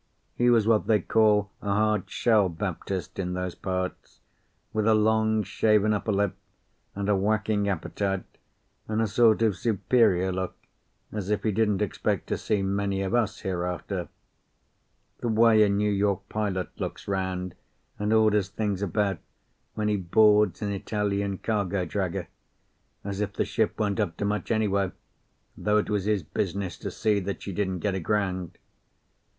He was what they call a Hard shell Baptist in those parts, with a long, shaven upper lip and a whacking appetite, and a sort of superior look, as if he didn't expect to see many of us hereafter the way a New York pilot looks round, and orders things about when he boards an Italian cargo dragger, as if the ship weren't up to much anyway, though it was his business to see that she didn't get aground.